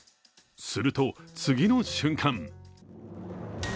すると、次の瞬間